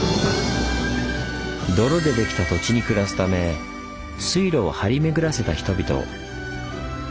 泥でできた土地に暮らすため水路を張り巡らせた人々。